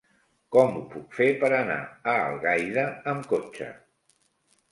Com ho puc fer per anar a Algaida amb cotxe?